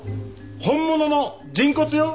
本物の人骨よ！